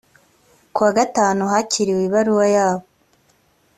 ku wa gatanu hakiriwe ibaruwa yabo